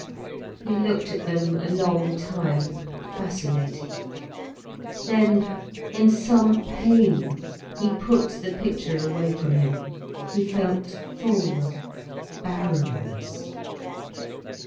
He looked at them a long time, fascinated. Then, in some pain, he put the picture away from him. He felt full of barrenness.